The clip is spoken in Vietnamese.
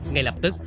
ngay lập tức